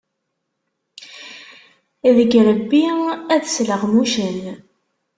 Deg yirebbi ad sleɣmucen.